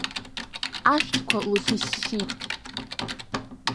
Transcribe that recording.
Ашәҭқәа лхьышьшьит.